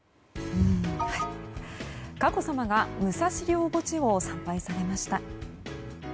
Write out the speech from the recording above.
佳子さまが武蔵陵墓地を参拝されました。